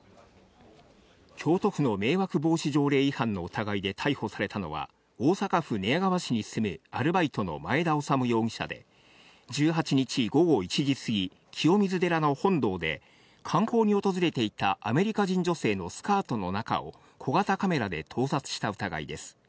京都府の迷惑防止条例違反の疑いで逮捕されたのは、大阪府寝屋川市に住むアルバイトの前田修容疑者で、１８日午後１時過ぎ、清水寺の本堂で、観光に訪れていたアメリカ人女性のスカートの中を小型カメラで盗撮した疑いです。